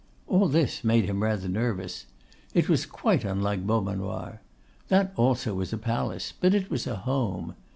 All this made him rather nervous. It was quite unlike Beaumanoir. That also was a palace, but it was a home.